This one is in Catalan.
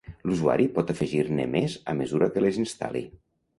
L'usuari pot afegir-ne més a mesura que les instal·li.